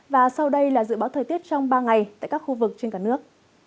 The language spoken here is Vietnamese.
và sau đây là dự báo thời tiết trong ba ngày tại các khu vực trên cả nước